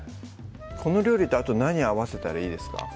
この料理ってあと何合わせたらいいですか？